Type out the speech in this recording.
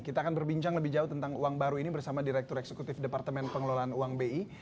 kita akan berbincang lebih jauh tentang uang baru ini bersama direktur eksekutif departemen pengelolaan uang bi